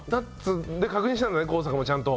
確認したんだね幸阪もちゃんと。